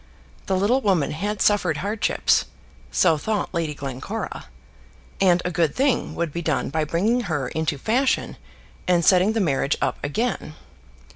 The little woman had suffered hardships, so thought Lady Glencora, and a good thing would be done by bringing her into fashion, and setting the marriage up again.